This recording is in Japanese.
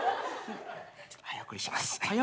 早送りします。